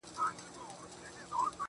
په داسي خوب ویده دی چي راویښ به نه سي.